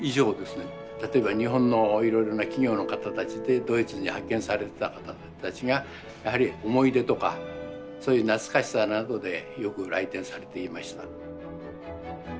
例えば日本のいろいろな企業の方たちでドイツに派遣されてた方たちがやはり思い出とかそういう懐かしさなどでよく来店されていました。